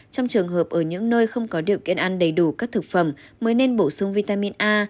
trong trường hợp ở những nơi không có điều kiện ăn đầy đủ các thực phẩm mới nên bổ sung vitamin a